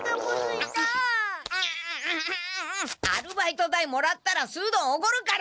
アルバイト代もらったらすうどんおごるから！